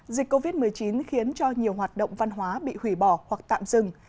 dịch covid một mươi chín khiến cho nhiều hoạt động văn hóa bị hủy bỏ hoặc tạm dừng